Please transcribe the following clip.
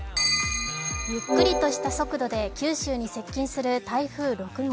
ゆっくりとした速度で九州に接近する台風６号。